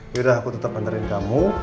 yaudah aku tetep nantarin kamu